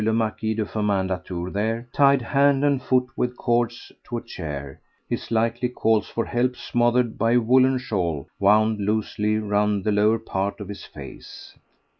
le Marquis de Firmin Latour there, tied hand and foot with cords to a chair, his likely calls for help smothered by a woollen shawl wound loosely round the lower part of his face.